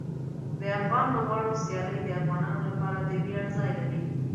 د افغان لوبغاړو سیالۍ د افغانانو لپاره د ویاړ ځای لري.